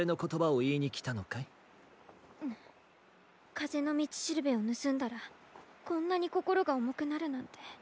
かぜのみちしるべをぬすんだらこんなにこころがおもくなるなんて。